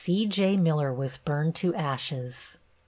C.J. Miller was burned to ashes.